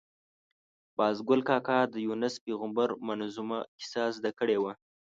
باز ګل کاکا د یونس پېغمبر منظمومه کیسه زده کړې وه.